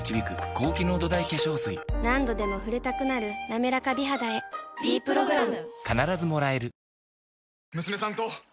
何度でも触れたくなる「なめらか美肌」へ「ｄプログラム」